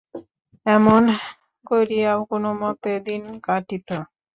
এমন করিয়াও কোনোমতে দিন কাটিত।